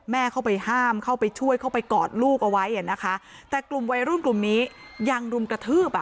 เข้าไปห้ามเข้าไปช่วยเข้าไปกอดลูกเอาไว้อ่ะนะคะแต่กลุ่มวัยรุ่นกลุ่มนี้ยังรุมกระทืบอ่ะ